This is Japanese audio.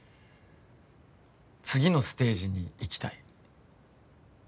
次のステージに行きたい